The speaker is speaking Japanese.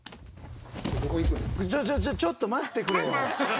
ちょちょちょちょっと待ってくれよ！